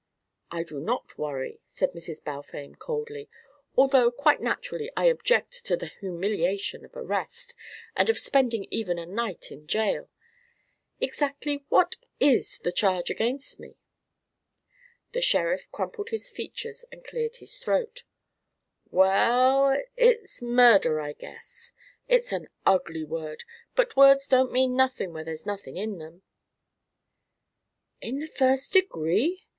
"I do not worry," said Mrs. Balfame coldly, " although quite naturally I object to the humiliation of arrest, and of spending even a night in jail. Exactly what is the charge against me?" The sheriff crumpled his features and cleared his throat. "Well, it's murder, I guess. It's an ugly word, but words don't mean nothin' when there's nothin' in them." "In the first degree?"